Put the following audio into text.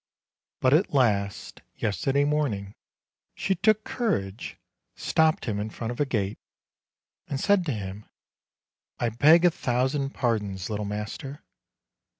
But at last, yesterday morning, she took courage, stopped him in front of a gate, and said to him : "I beg a thousand pardons, little master!